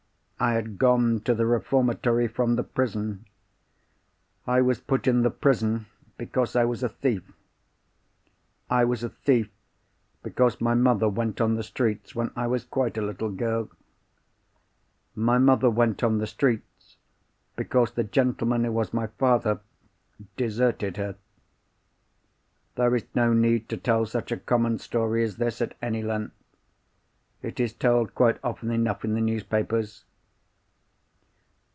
I had gone to the reformatory from the prison. I was put in the prison, because I was a thief. I was a thief, because my mother went on the streets when I was quite a little girl. My mother went on the streets, because the gentleman who was my father deserted her. There is no need to tell such a common story as this, at any length. It is told quite often enough in the newspapers.